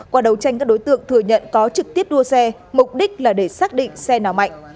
qua đấu tranh các đối tượng thừa nhận có trực tiếp đua xe mục đích là để xác định xe nào mạnh